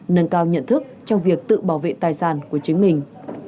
nâng cao nhận thức trong việc tự bảo vệ tài sản của chính mình